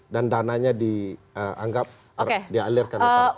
dan dananya dianggap dialirkan ke partai